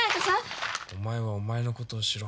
お前はお前のことをしろ。